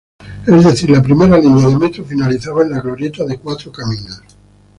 Es decir, la primera línea de metro finalizaba en la glorieta de Cuatro Caminos.